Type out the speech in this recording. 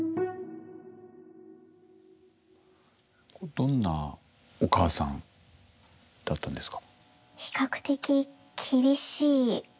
どんなお母さんだったんですか？